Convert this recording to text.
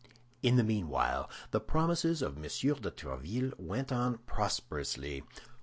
In the meanwhile the promises of M. de Tréville went on prosperously.